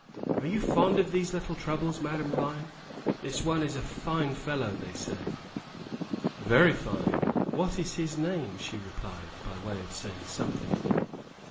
"Are you fond of these little troubles, Madame Vine? This one is a fine fellow, they say." "Very fine. What is his name?" she replied, by way of saying something.